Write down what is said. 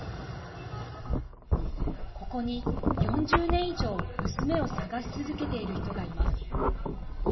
ここに、４０年以上娘を探し続けている人がいます。